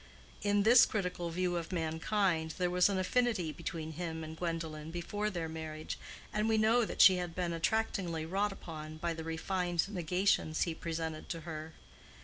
In this critical view of mankind there was an affinity between him and Gwendolen before their marriage, and we know that she had been attractingly wrought upon by the refined negations he presented to her.